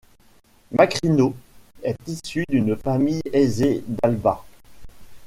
Macrino est issu d'une famille aisée d'Alba.